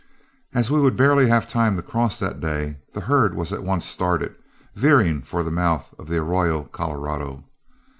As we would barely have time to cross that day, the herd was at once started, veering for the mouth of the Arroyo Colorado.